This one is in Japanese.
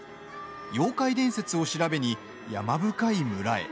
妖怪伝説を調べに山深い村へ。